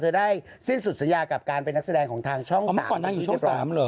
เธอได้สิ้นสุดสัญญากับการเป็นนักแสดงของทางช่อง๓อยู่เรียบร้อย